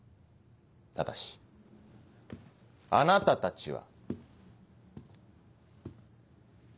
ただしあなたたちは。